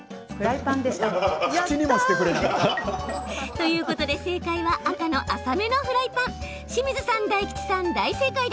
ということで、正解は赤の浅めのフライパン。